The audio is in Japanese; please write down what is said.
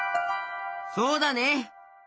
そうだね！